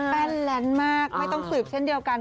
แป้นแลนด์มากไม่ต้องสืบเช่นเดียวกัน